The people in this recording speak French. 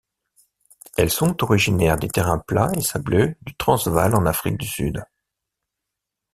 Elles sont originaires des terrains plats et sableux du Transvall en Afrique du Sud.